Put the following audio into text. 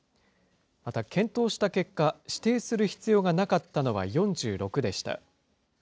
また検討した結果、指定する必要がなかったのは４６でした。